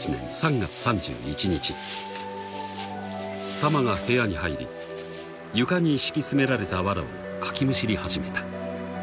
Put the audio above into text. ［タマが部屋に入り床に敷き詰められたわらをかきむしり始めた］